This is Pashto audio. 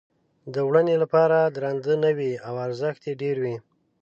د وړنې لپاره درانده نه وي او ارزښت یې ډېر وي.